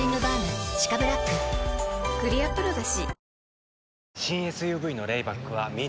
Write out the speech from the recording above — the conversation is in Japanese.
クリアプロだＣ。